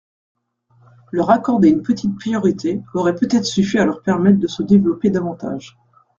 Leur accorder une petite priorité aurait peut-être suffi à leur permettre de se développer davantage.